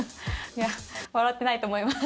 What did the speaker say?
いや、笑ってないと思います。